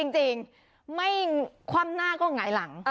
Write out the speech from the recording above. จริงความหน้าก็หงายหลัง